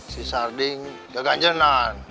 si sarding keganjangan